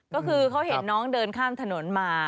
ก็คือเขาเห็นน้องเดินข้ามถนนมา